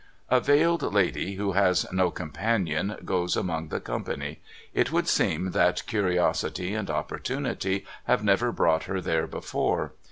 A veiled lady, who has no companion, goes among the company. It would seem that curiosity and opportunity have never brought her there before.